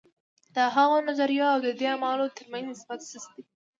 د هغو نظریو او دې اعمالو ترمنځ نسبت سست دی.